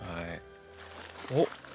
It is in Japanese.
おっ！